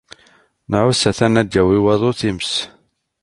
Nɛuss atan ad d-yawi waḍu times.